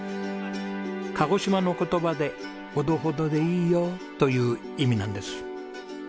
鹿児島の言葉で「ほどほどでいいよ」という意味なんです。